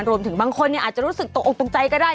รวมถึงบางคนอาจจะรู้สึกตกออกตกใจก็ได้